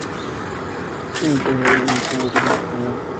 Es un empresario mexicano de origen español.